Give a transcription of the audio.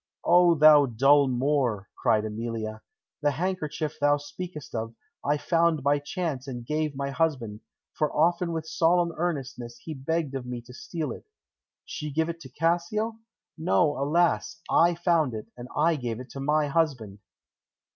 "O, thou dull Moor!" cried Emilia. "The handkerchief thou speakest of, I found by chance and gave my husband, for often with solemn earnestness he begged of me to steal it.... She give it Cassio? No, alas! I found it, and I gave it to my husband."